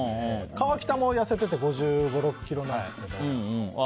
川北も痩せてて５５５６ｋｇなんですけど。